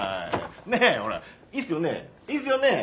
ねえほらいいっすよねえ。